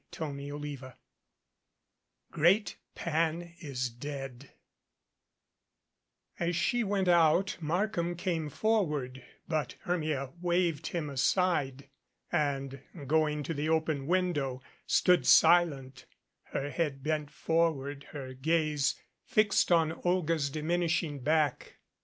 CHAPTER XXII GREAT PAN IS DEAD AS she went out Markham came forward, but Hermia waved him aside, and, going to the open window, stood silent, her head bent forward, her gaze fixed on Olga's diminishing back.